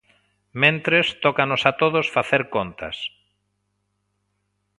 Mentres, tócanos a todos facer contas.